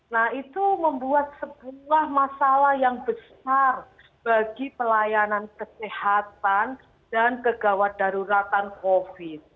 nah itu membuat sebuah masalah yang besar bagi pelayanan kesehatan dan kegawat daruratan covid